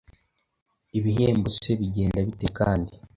Ibihembo se bigenda bite kandi!